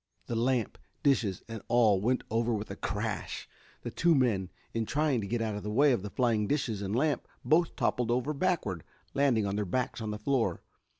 The lamp, dishes and all went over with a crash. The two men in trying to get out of the way of the flying dishes and lamp both toppled over backward, landing on their backs on the floor.